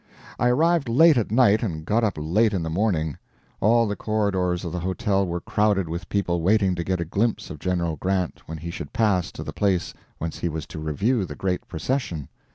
I arrived late at night and got up late in the morning. All the corridors of the hotel were crowded with people waiting to get a glimpse of General Grant when he should pass to the place whence he was to review the great procession.